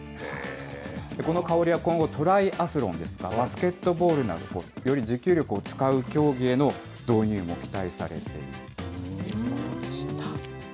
この香りは今後、トライアスロンですとか、バスケットボールなど、より持久力を使う競技などへの導入も期待されているということでした。